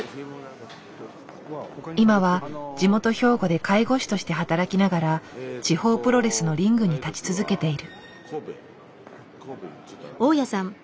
今は地元兵庫で介護士として働きながら地方プロレスのリングに立ち続けている。